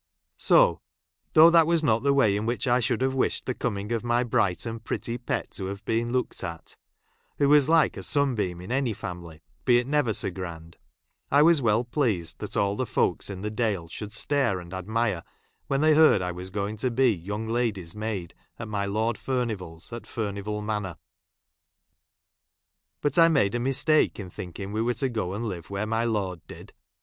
So, though that was not the way in which I should have wished the coming of my bright and pretty pet to have been looked at — who was like a sunbeam in any family, be it never so grand— I was well pleased that all the folks in the Dale should stare and admire, when they heard I was going to be young lady's maid j at my Lord Furnivall's at Furnivall Manor. But I made a mistake in thinking we were to go and live where my lord did.